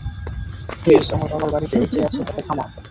Please, আমার বাবার বাড়িতে যে আছে তাকে থামাও।